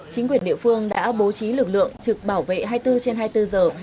chính quyền địa phương đã bố trí lực lượng trực bảo vệ hai mươi bốn trên hai mươi bốn giờ